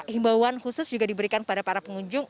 himbauan khusus juga diberikan pada para pengunjung